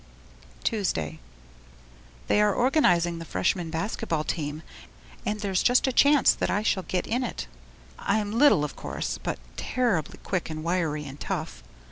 Tuesday They are organizing the Freshman basket ball team and there's just a chance that I shall get in it. I'm little of course, but terribly quick and wiry and tough.